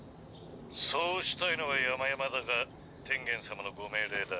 そうしたいのはやまやまだが天元様のご命令だ。